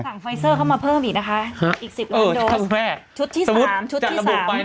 สั่งไฟเซอร์เข้ามาเพิ่มอีกนะคะอีก๑๐ล้านโดสชุดที่๓ชุดที่๓